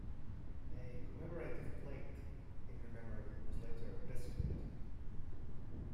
A commemorative plate in her memory was later desecrated.